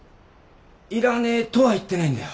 いらねえとは言ってないんだよ。